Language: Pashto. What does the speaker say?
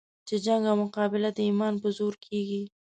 چې جنګ او مقابله د ایمان په زور کېږي.